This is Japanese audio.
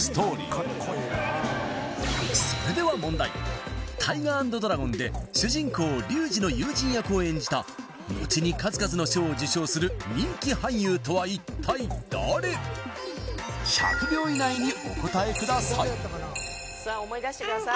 それでは問題「タイガー＆ドラゴン」で主人公・竜二の友人役を演じたのちに数々の賞を受賞する人気俳優とは一体誰？１００秒以内にお答えくださいさあ思い出してください